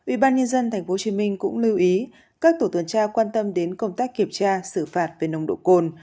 ubnd tp hcm cũng lưu ý các tổ tuần tra quan tâm đến công tác kiểm tra xử phạt về nông độ cồn